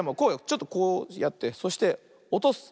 ちょっとこうやってそしておとす。